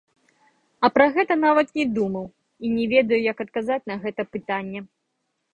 Я пра гэта нават не думаў і не ведаю, як адказаць на гэта пытанне.